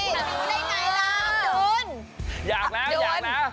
จะไปรู้ได้ไงล่ะอับดุลอยากแล้ว